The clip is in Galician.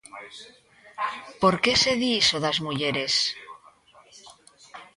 Por que se di iso das mulleres?